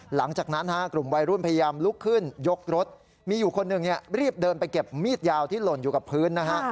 หลังจากนั้นกลุ่มวัยรุ่นพยายามลุกขึ้นยกรถมีอยู่คนหนึ่งรีบเดินไปเก็บมีดยาวที่หล่นอยู่กับพื้นนะฮะ